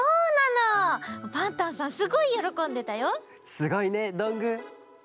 すごいねどんぐー！